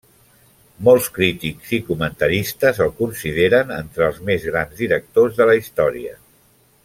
Molts crítics i comentaristes el consideren entre els més grans directors de la història.